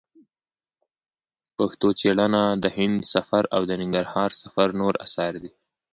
پښتو څېړنه د هند سفر او د ننګرهار سفر نور اثار دي.